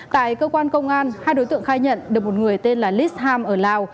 tại cơ quan công an hai đối tượng khai nhận được một người tên là lis ham ở lào